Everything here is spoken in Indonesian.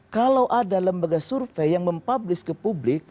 kalau ada lembaga survei yang mempublish ke publik